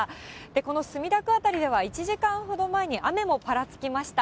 この墨田区辺りでは１時間ほど前に雨もぱらつきました。